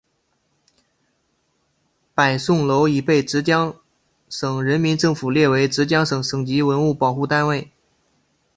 皕宋楼已被浙江省人民政府列为浙江省省级文物保护单位。